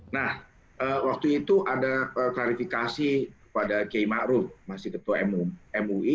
nah waktu itu ada klarifikasi pada kiai ma'ruf masih ketua mui